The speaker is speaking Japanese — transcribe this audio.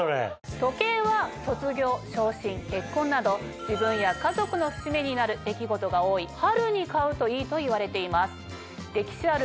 時計は卒業昇進結婚など自分や家族の節目になる出来事が多い春に買うといいといわれています。